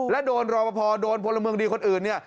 และโดนรอปภโดนพลเมืองดีคนอื่นเนี่ย